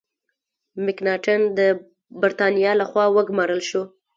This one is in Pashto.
مکناټن د برتانیا له خوا وګمارل شو.